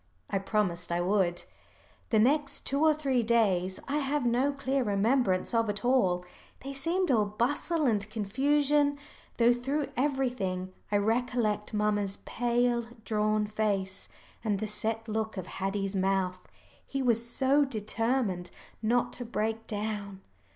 I promised I would. The next two or three days I have no clear remembrance of at all. They seemed all bustle and confusion though through everything I recollect mamma's pale drawn face, and the set look of Haddie's mouth. He was so determined not to break down.